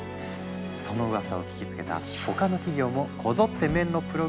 そのうわさを聞きつけた他の企業もこぞってメンのプログラムを導入。